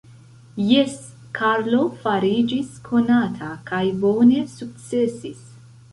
Jes, Karlo fariĝis konata kaj bone sukcesis.